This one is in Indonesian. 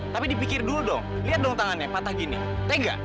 tapi dipikir dulu dong lihat dong tangannya patah gini tega